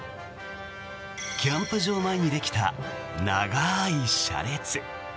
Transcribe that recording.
キャンプ場前にできた長い車列。